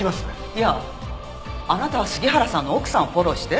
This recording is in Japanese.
いやあなたは杉原さんの奥さんをフォローして。